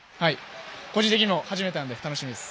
個人的にも初めてなので楽しみです。